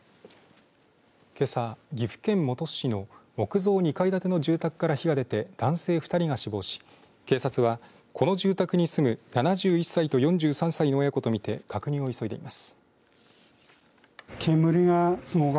けさ岐阜県本巣市の木造２階建ての住宅から火が出て男性２人が死亡し警察は、この住宅に住む７１歳と４３歳の親子とみて確認を急いでいます。